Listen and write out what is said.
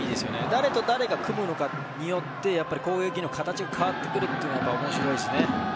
誰と誰が組むのかによって攻撃の形が変わってくるのは面白いですね。